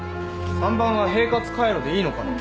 ３番は平滑回路でいいのかな？